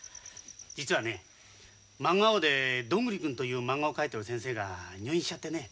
実はね「漫画王」で「どんぐり君」というまんがを描いてる先生が入院しちゃってね